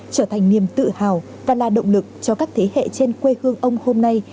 trở thành niềm tự hào và là động lực cho các thế hệ trên quê hương ông hôm nay